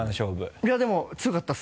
いやでも強かったです